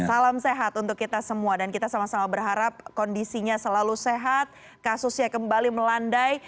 salam sehat untuk kita semua dan kita sama sama berharap kondisinya selalu sehat kasusnya kembali melandai